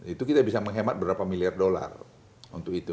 itu kita bisa menghemat berapa miliar dolar untuk itu